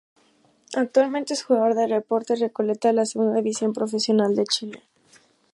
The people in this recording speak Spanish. Actualmente es jugador de Deportes Recoleta de la Segunda División Profesional de Chile.